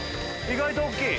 意外と大っきい。